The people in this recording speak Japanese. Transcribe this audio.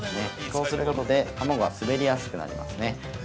こうすることで卵が滑りやすくなりますね。